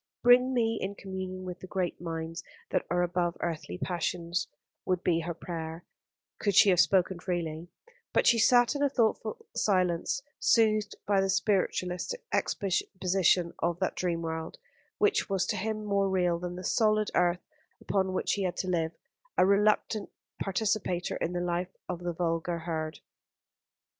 "Bring me in communion with the great minds that are above earthly passions," would be her prayer, could she have spoken freely; but she sat in a thoughtful silence, soothed by the spiritualist's exposition of that dream world, which was to him more real than the solid earth upon which he had to live a reluctant participator in the life of the vulgar herd.